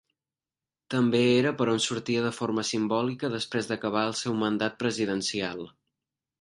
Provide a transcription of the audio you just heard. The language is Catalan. També era per on sortia de forma simbòlica després d'acabar el seu mandat presidencial.